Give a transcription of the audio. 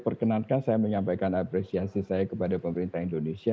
perkenankan saya menyampaikan apresiasi saya kepada pemerintah indonesia